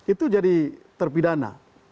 itu jadi terpidana